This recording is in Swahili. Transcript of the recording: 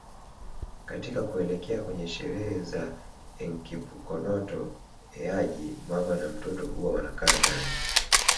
Katika kuelekea kwenye sherehe za Enkipukonoto Eaji mama na mtoto huwa wanakaa ndani